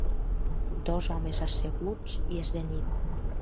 Dos homes asseguts i és de nit.